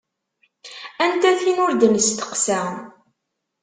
Anta tin ur d-nesteqsa.